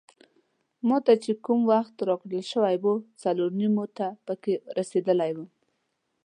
ما ته چې کوم وخت راکول شوی وو څلور نیمو ته پکې رسیدلی وم.